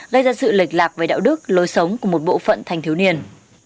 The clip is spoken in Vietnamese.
gây ra sự lệch lạc về đạo đức lối sống của một bộ phận thanh thiếu niên